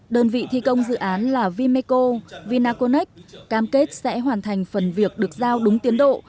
đơn vị thi công dự án là vimeco vinaconex cam kết sẽ hoàn thành phần việc được giao đúng tiến độ